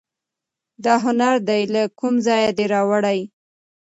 دا هنر دي له کوم ځایه دی راوړی